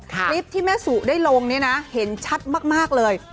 คลิปที่แม่สุได้ลงเนี่ยนะเห็นชัดมากเลย